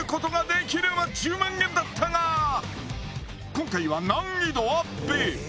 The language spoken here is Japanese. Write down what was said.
・今回は難易度アップ